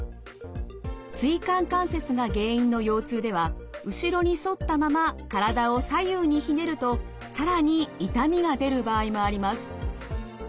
椎間関節が原因の腰痛では後ろに反ったまま体を左右にひねると更に痛みが出る場合もあります。